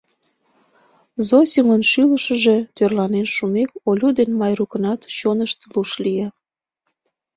Зосимын шӱлышыжӧ тӧрланен шумек, Олю ден Майрукынат чонышт луш лие.